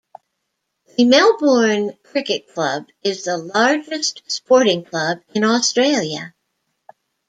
The Melbourne Cricket Club is the largest sporting club in Australia.